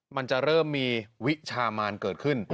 มันจะเริ่มมีวิชามานเกิดขึ้น